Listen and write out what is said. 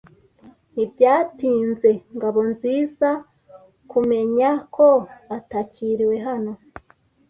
Ntibyatinze Ngabonzizakumenya ko atakiriwe hano.